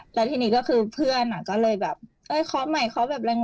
แล้วทีนี้ก็คือเพื่อนอ่ะก็เลยแบบเอ้ยเคาะใหม่เคาะแบบแรง